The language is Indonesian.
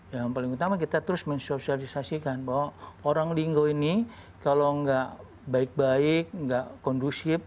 yang pertama kita terus mensosialisasi bahwa orang linggo ini kalau enggak baik baik enggak kondusif